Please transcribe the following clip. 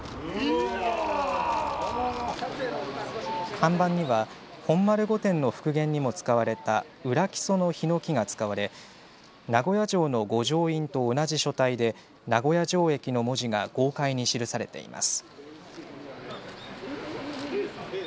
看板には本丸御殿の復元にも使われた裏木曽のひのきが使われ名古屋城の御城印と同じ書体で名古屋城駅の文字が豪快に記されています。